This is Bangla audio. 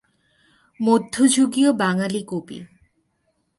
মধ্যযুগীয় বাঙালি কবি।